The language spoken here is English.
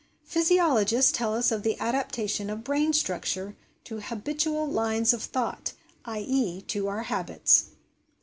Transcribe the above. Physiologists tell us of the adaptation of brain structure to habitual lines of thought i.e., to our habits.